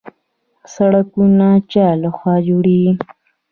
سړکونه چا لخوا جوړیږي؟